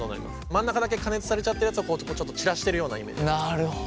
真ん中だけ加熱されちゃってるやつをこうちょっと散らしてるようなイメージです。